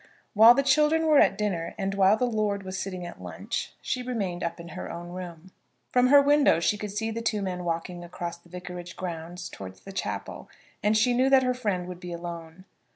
While the children were at dinner, and while the lord was sitting at lunch, she remained up in her own room. From her window she could see the two men walking across the vicarage grounds towards the chapel, and she knew that her friend would be alone.